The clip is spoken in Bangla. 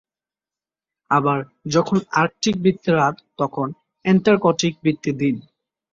আবার যখন আর্কটিক বৃত্তে রাত তখন অ্যান্টার্কটিক বৃত্তে দিন।